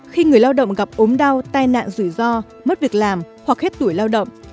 khi người lao động gặp ốm đau tai nạn rủi ro mất việc làm hoặc hết tuổi lao động